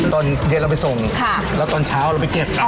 ตอนเย็นเราไปส่งแล้วตอนเช้าเราไปเก็บ